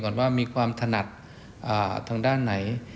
ว่ามีความถนัดทางด้านไหน